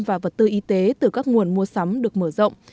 và vật tư y tế từ các nguồn mua sắm được mở rộng